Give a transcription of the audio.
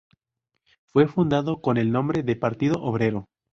Fue fundado con el nombre de "Partido Obrero".